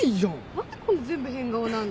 何でこんな全部変顔なの？